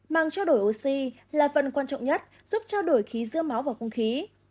mang trao đổi oxy là phần quan trọng nhất giúp trao đổi khí giữa máu và không khí